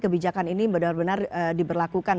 kebijakan ini benar benar diberlakukan